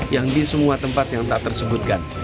yang di semua tempat yang tak tersebutkan